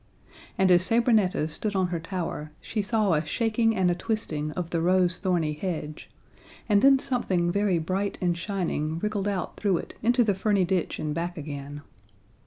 And as Sabrinetta stood on her tower she saw a shaking and a twisting of the rose thorny hedge, and then something very bright and shining wriggled out through it into the ferny ditch and back again.